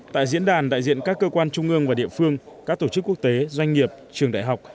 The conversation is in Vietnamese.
tại diễn đàn đại diện các cơ quan trung ương và địa phương các tổ chức quốc tế doanh nghiệp trường đại học